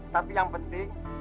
tapi yang penting